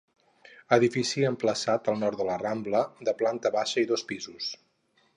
Edifici emplaçat al nord de la Rambla, de planta baixa i dos pisos.